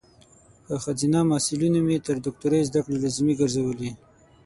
په خځینه محصلینو مې تر دوکتوری ذدکړي لازمي ګرزولي